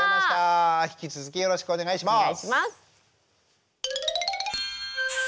引き続きよろしくお願いします。